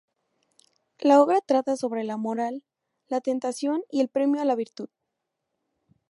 La obra trata sobre la moral, la tentación y el premio a la virtud.